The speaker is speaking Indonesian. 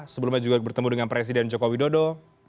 sebelumnya juga bertemu dengan presiden joko widodo